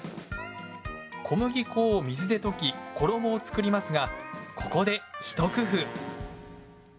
小麦粉を水で溶き衣を作りますがここで一工夫。